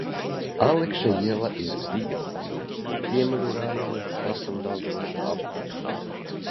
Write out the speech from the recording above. Alekša iela ir Rīgas iela, Ziemeļu rajona Sarkandaugavas apkaimē.